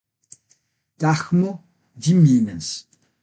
Carmo de Minas